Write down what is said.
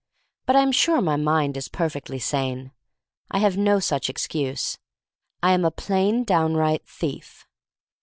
But I am sure my mind is perfectly sane. I have no such excuse. I am a plain, downright thief.